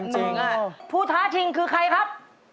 จริงพูดท้าจริงคือใครครับ